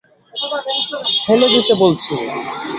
ফেলে দিতে বলছি।